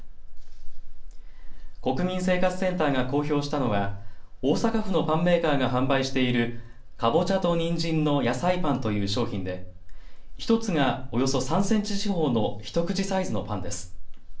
国民生活センターが公表したのは大阪府のパンメーカーが販売しているかぼちゃとにんじんのやさいパンという商品で１つがおよそ３センチ四方の一口サイズのパンです。